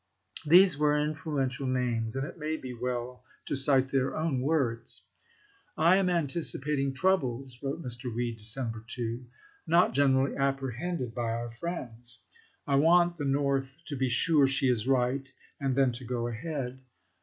These were influential names, and it may be well to cite their own words. " I am anticipating troubles," wrote Mr. Weed, December 2, " not gen erally apprehended by our friends. I want the North to be sure she is right and then to go ahead."